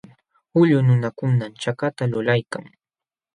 Ullqu nunakunam chakata lulaykan.